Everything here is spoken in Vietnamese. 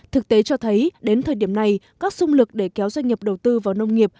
thực tế cho thấy đến thời điểm này các sung lực để kéo doanh nghiệp đầu tư vào nông nghiệp